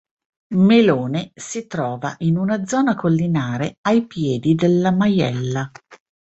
Melone si trova in una zona collinare ai piedi della Maiella.